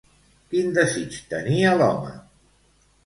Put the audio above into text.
Quin desig tenia l'home?